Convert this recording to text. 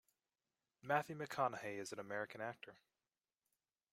Matthew McConaughey is an American actor.